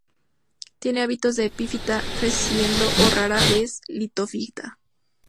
Tiene hábitos de epífita creciendo o rara vez litófita.